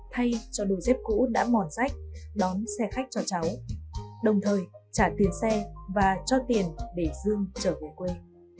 thay cho đôi dép cũ đã mòn sách đón xe khách cho cháu đồng thời trả tiền xe và cho tiền để dương trở về quê